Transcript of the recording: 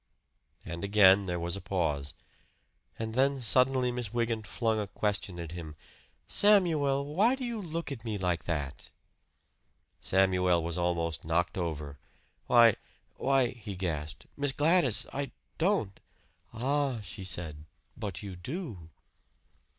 And again there was a pause; and then suddenly Miss Wygant flung a question at him "Samuel, why do you look at me like that?" Samuel was almost knocked over. "Why why " he gasped. "Miss Gladys! I don't !" "Ah!" she said, "but you do."